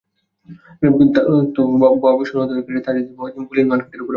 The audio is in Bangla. তবে সোনা ক্রয়ের ক্ষেত্রে তাঁতীবাজারের বুলিয়ন মার্কেটের ওপর আমরা অনেকটাই নির্ভরশীল।